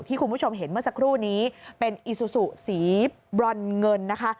คุณผู้ชมเห็นเมื่อสักครู่นี้เป็นอีซูซูสีบรอนเงินนะคะ